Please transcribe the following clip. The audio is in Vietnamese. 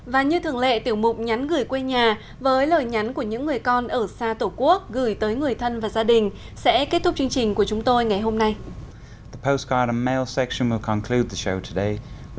và như thường lệ tiểu mục nhắn gửi quê nhà với lời nhắn của những người con ở xa tổ quốc gửi tới người thân và gia đình sẽ kết thúc chương trình của chúng tôi ngày hôm nay